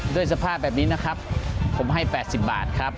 ด้วยสภาพแบบนี้นะครับผมให้๘๐บาทครับ